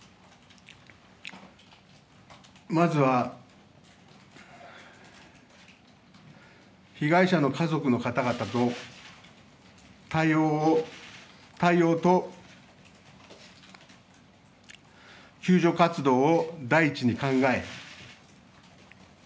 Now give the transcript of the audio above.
まずは被害者の家族の方々と対応と救助活動を第一に考え